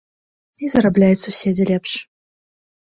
І зарабляюць суседзі лепш.